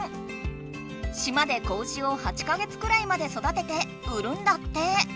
島で子牛を８か月くらいまで育てて売るんだって。